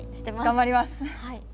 頑張ります！